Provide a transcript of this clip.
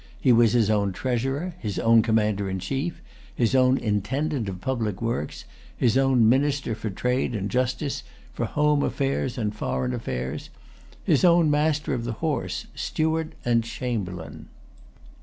He was his own treasurer, his own commander in chief, his own intendant of public works, his own minister for trade and justice, for home affairs and foreign affairs, his own master of the horse, steward, and chamberlain.